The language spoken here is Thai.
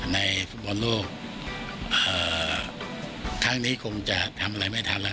ในฟุตบอลโลกครั้งนี้คงจะทำอะไรไม่ทันแล้ว